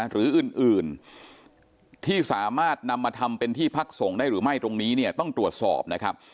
หรืออื่นที่สามารถนำมาทำเป็นที่พักส่งได้หรือไม่ตรงนี้เนี่ยต้องตรวจสอบนะครับ